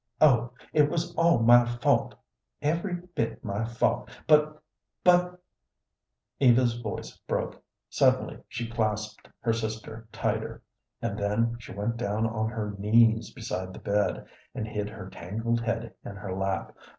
Oh, it was all my fault, every bit my fault, but, but " Eva's voice broke; suddenly she clasped her sister tighter, and then she went down on her knees beside the bed, and hid her tangled head in her lap.